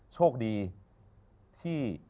โชคดีที่